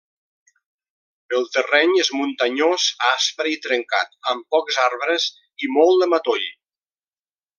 El terreny és muntanyós, aspre i trencat, amb pocs arbres i molt de matoll.